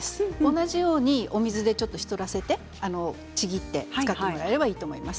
同じように、お水でちょっと湿らせてちぎって使っていただければいいと思います。